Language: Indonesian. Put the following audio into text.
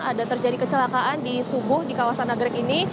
ada terjadi kecelakaan di subuh di kawasan nagrek ini